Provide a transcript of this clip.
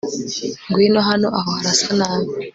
ngwino hano aho harasa nabi